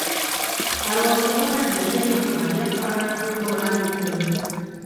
ارواپوهنه د ژبې د فعالیت په اړه پوهه وړاندې کوي